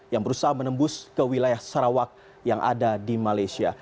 yang berusaha menembus ke wilayah sarawak yang ada di malaysia